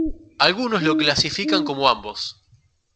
Algunos lo clasifican como ambos.